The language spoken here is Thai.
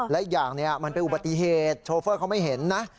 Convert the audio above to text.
และอีกอย่างมันเป็นอุบัติเหตุโชเฟอร์เขาไม่เห็นนะ